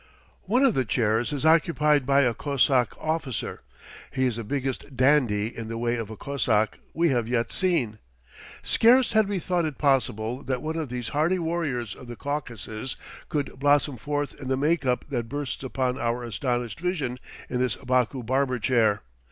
One of the chairs is occupied by a Cossack officer. He is the biggest dandy in the way of a Cossack we have yet seen. Scarce had we thought it possible that one of these hardy warriors of the Caucasus could blossom forth in the make up that bursts upon our astonished vision in this Baku barber chair.